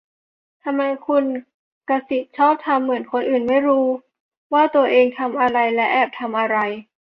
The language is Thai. ทำไมคุณกษิตชอบทำเหมือนคนอื่นไม่รู้ว่าตัวเองทำและแอบทำอะไร ?